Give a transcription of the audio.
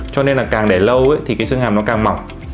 cho nên là càng để lâu ấy thì cái xương hàm nó càng mỏng